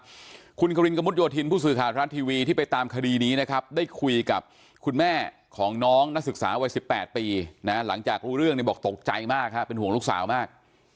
ครับคุณครินกระมุดโยธินผู้สื่อข่าวทรัฐทีวีที่ไปตามคดีนี้นะครับได้คุยกับคุณแม่ของน้องนักศึกษาวัย๑๘ปีนะหลังจากรู้เรื่องเนี่ยบอกตกใจมากฮะเป็นห่วงลูกสาวมาก